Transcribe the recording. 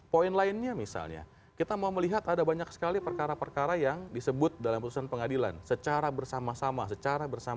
poin lainnya misalnya kita mau melihat ada banyak sekali perkara perkara yang disebut dalam putusan pengadilan secara bersama sama